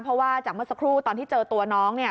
เพราะว่าจากเมื่อสักครู่ตอนที่เจอตัวน้องเนี่ย